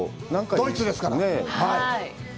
ドイツですから。